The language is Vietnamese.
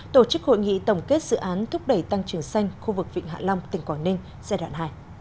tổ chức hội nghị tổng kết dự án thúc đẩy tăng trưởng xanh khu vực vịnh hạ long tỉnh quảng ninh giai đoạn hai